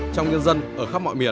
trong nhân dân ở khắp mọi miền